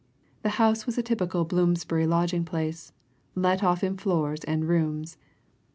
The house was a typical Bloomsbury lodging place, let off in floors and rooms.